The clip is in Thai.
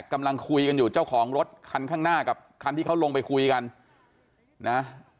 กำลังคุยกันอยู่เจ้าของรถคันข้างหน้ากับคันที่เขาลงไปคุยกันนะ